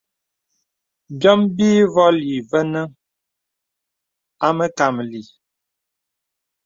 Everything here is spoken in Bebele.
Byɔm bîvolī benəŋ a məkàməlì.